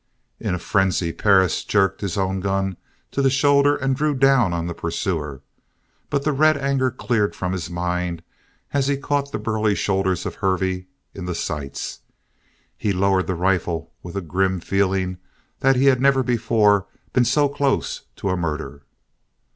In a frenzy Perris jerked his own gun to the shoulder and drew down on the pursuer, but the red anger cleared from his mind as he caught the burly shoulders of Hervey in the sights. He lowered the rifle with a grim feeling that he had never before been so close to a murder.